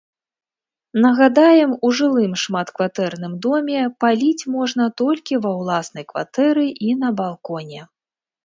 Нагадаем, у жылым шматкватэрным доме паліць можна толькі ва ўласнай кватэры і на балконе.